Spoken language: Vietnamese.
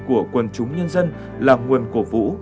của quân chúng nhân dân là nguồn cổ vũ